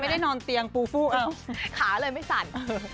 ไม่ได้นอนเตียงปูฟู้ขาเลยไม่สั่น